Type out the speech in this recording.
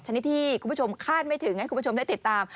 ชนิดที่คุณผู้ชมคาดไม่ถึงให้คุณผู้ชมได้ติดตาม